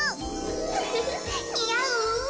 ウフフにあう？